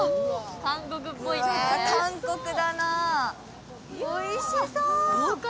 韓国だな、おいしそう！